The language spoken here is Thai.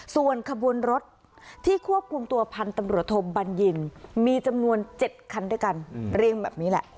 ส่วนขบวนรถที่ควบคุมตัวพันธุ์ตำรวจโทบัญญินมีจำนวน๗คันด้วยกันเรียงแบบนี้แหละ